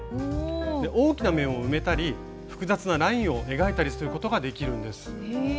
大きな面を埋めたり複雑なラインを描いたりすることができるんです。